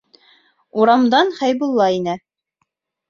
Урамдан Хәйбулла инә.